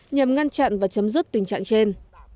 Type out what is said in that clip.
nhằm ngăn chặn và chấm dứt tình trạng trên